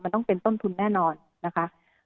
มันต้องเป็นต้นทุนแน่นอนนะคะ